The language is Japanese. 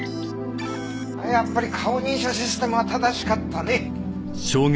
やっぱり顔認証システムは正しかったね。